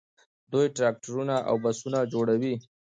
دوی ټراکټورونه او بسونه جوړوي.